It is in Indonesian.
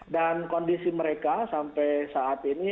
dan kondisi mereka sampai saat ini